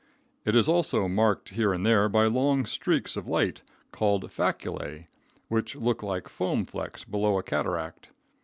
It is also marked here and there by long streaks of light, called faculae, which look like foam flecks below a cataract.